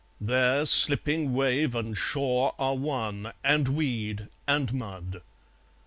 There slipping wave and shore are one, And weed and mud.